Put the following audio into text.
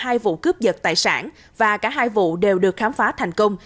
xảy ra hai vụ cướp giật tài sản và cả hai vụ đều được khám phá thành công